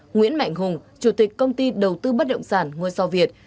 nguyễn mạnh hùng chủ tịch công ty đầu tư bất động sản ngoài so việt